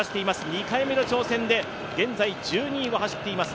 ２回目の挑戦で現在１２位を走っています。